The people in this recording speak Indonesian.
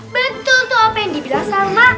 betul tuh apa yang dibilang sama